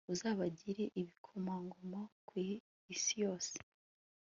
uzabagire ibikomangoma ku isi yose